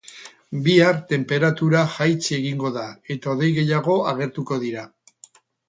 Bihar tenperatura jaitsi egingo da eta hodei gehiago agertuko dira.